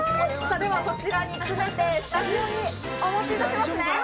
ではこちらに詰めてスタジオにお持ちいたします。